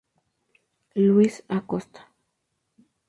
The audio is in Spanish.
Luis Acosta